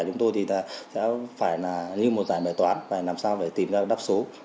chúng tôi sẽ phải lưu một giải bài toán và làm sao để tìm ra đáp số